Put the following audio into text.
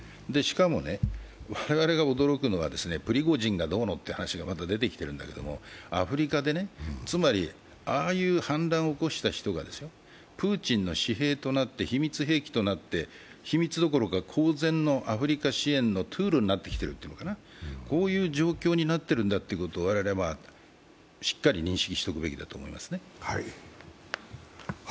しかも、我々が驚くのはプリコジンがどうのって話がまた出てきてるんですけどアフリカで、つまりああいう反乱を起こした人がプーチンの私兵、秘密兵器となって秘密どころか公然のアフリカ支援のツールになってきている、こういう状況になってるんだっていうことを我々、しっかり認識しておくべきだと思いますね。